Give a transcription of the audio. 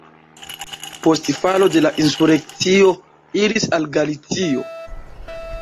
Post falo de la insurekcio iris al Galicio.